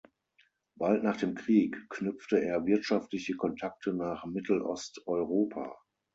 Bald nach dem Krieg knüpfte er wirtschaftliche Kontakte nach Mittelosteuropa.